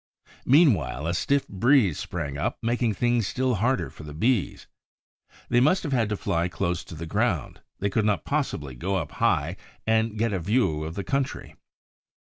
Meanwhile a stiff breeze sprang up, making things still harder for the Bees. They must have had to fly close to the ground; they could not possibly go up high and get a view of the country.